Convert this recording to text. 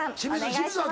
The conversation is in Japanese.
清水さん